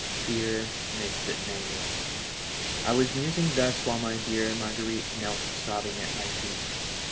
Fear makes it nameless. I was musing thus while my dear Marguerite knelt sobbing at my feet.